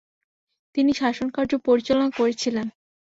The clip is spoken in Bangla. তিনি শাসনকার্য পরিচালনা করেছিলেন।